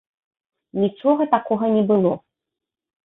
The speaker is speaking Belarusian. Нічога такога не было.